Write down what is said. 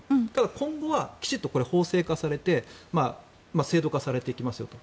今後はきちんと法制化されて制度化されていきますよと。